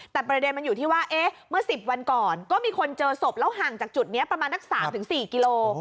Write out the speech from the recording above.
แต่ประเด็นมันอยู่ที่ว่าเอ๊ะเมื่อสิบวันก่อนก็มีคนเจอศพแล้วห่างจากจุดเนี้ยประมาณนักสามถึงสี่กิโลกิโล